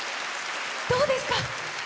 どうですか？